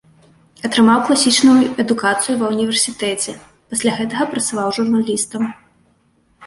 Атрымаў класічную адукацыю ва ўніверсітэце, пасля гэтага працаваў журналістам.